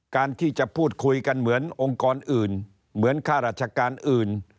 การที่จะพูดคุยกันเหมือนองค์กรอื่นเหมือนค่าราชการอื่น